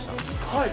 はい。